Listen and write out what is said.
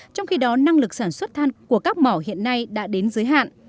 trong khi đó năng lực sản xuất than của các mỏ hiện nay đã đến giới hạn